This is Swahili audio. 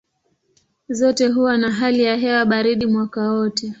Zote huwa na hali ya hewa baridi mwaka wote.